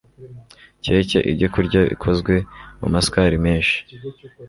Keke ibyokurya bikozwe mu masukari menshi